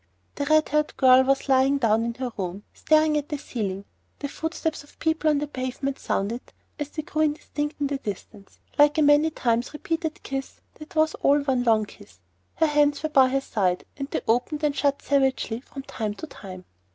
The red haired girl was lying down in her own room, staring at the ceiling. The footsteps of people on the pavement sounded, as they grew indistinct in the distance, like a many times repeated kiss that was all one long kiss. Her hands were by her side, and they opened and shut savagely from time to time.